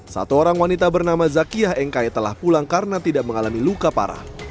satu orang wanita bernama zakiyah engkaye telah pulang karena tidak mengalami luka parah